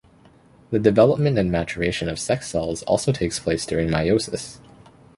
The development and maturation of sex cells also takes place during meiosis.